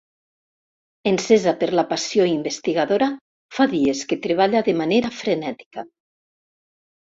Encesa per la passió investigadora, fa dies que treballa de manera frenètica.